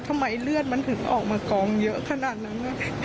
ทำไมเลือดมันถึงออกมากองเยอะขนาดนั้น